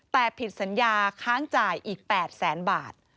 แต่ผิดสัญญาค้างจ่ายอีก๘แสนบาท